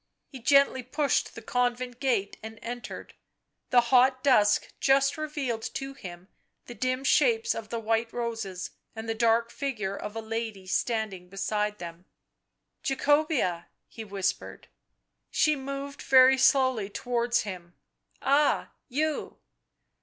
He gently pushed the con vent gate and entered. The hot dusk just revealed to him the dim shapes of the white roses and the dark figure of a lady standing beside them. " Jacobea," he whispered. She moved very slowly towards him. "Ah! you."